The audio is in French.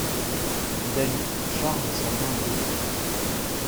Dalí charge sa main d'eau.